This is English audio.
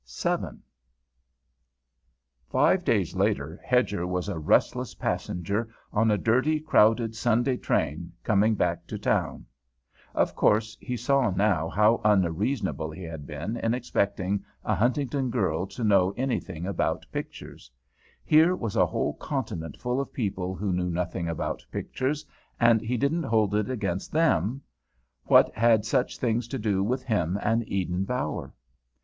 VII Five days later Hedger was a restless passenger on a dirty, crowded Sunday train, coming back to town. Of course he saw now how unreasonable he had been in expecting a Huntington girl to know anything about pictures; here was a whole continent full of people who knew nothing about pictures and he didn't hold it against them. What had such things to do with him and Eden Bower?